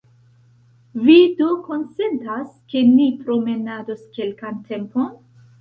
Vi do konsentas, ke ni promenados kelkan tempon?